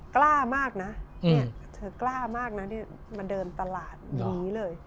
กล้ามากนะเนี่ยเธอกล้ามากนะมาเดินตลาดหนีเลย